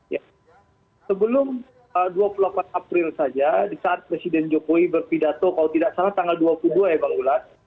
ya sebelum dua puluh delapan april saja di saat presiden jokowi berpidato kalau tidak salah tanggal dua puluh dua ya bang ulat